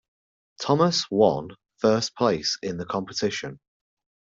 Thomas one first place in the competition.